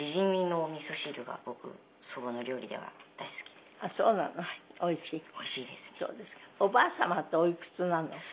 おばあ様っておいくつなの？